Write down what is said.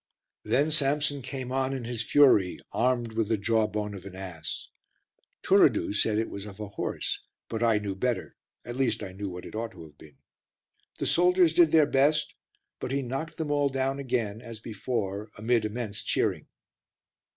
Then Samson came on in his fury, armed with the jawbone of an ass; Turiddu said it was of a horse, but I knew better, at least, I knew what it ought to have been. The soldiers did their best, but he knocked them all down again as before amid immense cheering.